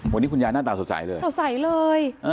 วันนี้คุณยายหน้าตาสดใสเลย